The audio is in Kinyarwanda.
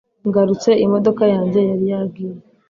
Ngarutse imodoka yanjye yari yagiye